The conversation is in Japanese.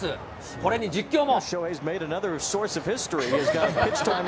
これに実況も。